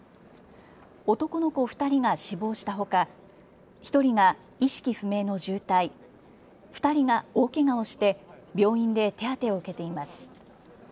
男の子２人が死亡したほか１人が意識不明の重体、２人が大けがをして病院で手当てを受けています。